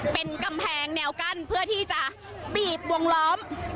เป็นกำแพงแนวกั้นเพื่อที่จะบีบวงล้อม